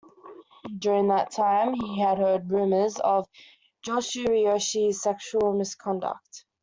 During that time he had heard rumors of Joshu Roshi's sexual misconduct.